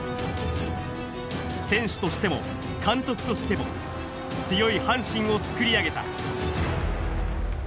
選手としても監督としても、強い阪神を作り上げた。